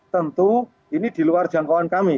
tentu ini di luar jangkauan kami